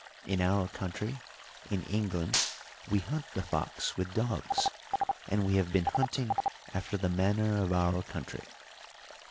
"In our country in England we hunt the fox with dogs, and we have been hunting after the manner of our country."